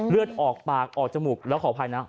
เลือดออกปากออกจมูกแล้วขออภัยนะ